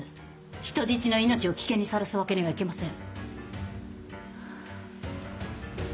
人質の命を危険にさらすわけにはいきません。